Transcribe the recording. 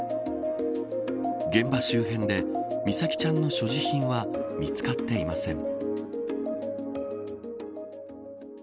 現場周辺で美咲ちゃんの所持品は見つかっていません。